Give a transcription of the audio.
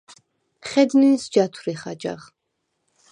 ხედ ნინს ჯათვრიხ აჯაღ?